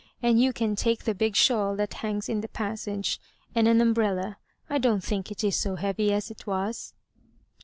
And you can take the big shawl that hangs in the passage, and an um breUa. I don't think it is so heavy as it was."